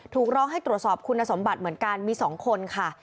ร้องให้ตรวจสอบคุณสมบัติเหมือนกันมี๒คนค่ะ